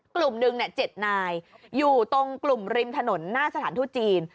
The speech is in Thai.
กลุ่มหนึ่ง๗นายอยู่ตรงกลุ่มริมถนนหน้าสถานทูตจีน